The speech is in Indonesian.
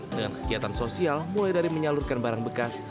dengan kegiatan sosial mulai dari menyalurkan barang bekas